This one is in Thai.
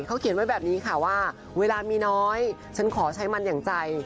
เขาเขียนไว้แบบนี้ค่ะว่าเวลามีน้อยฉันขอใช้มันอย่างใจ